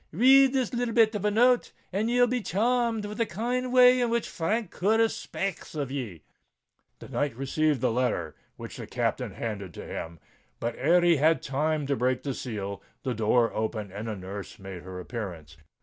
Read this little bit of a note, and ye'll be charmed with the kind way in which Frank Curtis spakes of ye." The knight received the letter which the Captain handed to him; but ere he had time to break the seal, the door opened and the nurse made her appearance.